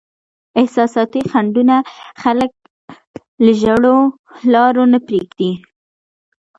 احساساتي خنډونه خلک له زړو لارو نه پرېږدي.